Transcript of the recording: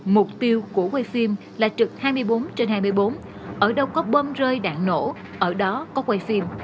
mục tiêu của quay phim là trực hai mươi bốn trên hai mươi bốn ở đâu có bơm rơi đạn nổ ở đó có quay phim